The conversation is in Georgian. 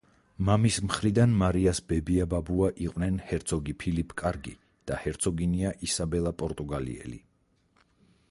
მამის მხრიდან მარიას ბებია-ბაბუა იყვნენ ჰერცოგი ფილიპ კარგი და ჰერცოგინია ისაბელა პორტუგალიელი.